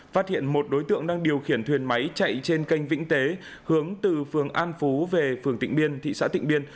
phát hiện một đối tượng đang điều khiển thuyền máy chạy trên canh vĩnh tế hướng từ phường an phú về phường tịnh biên thị xã tịnh biên